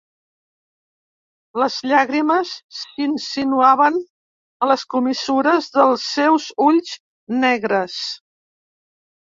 Les llàgrimes s'insinuaven a les comissures dels seus ulls negres—.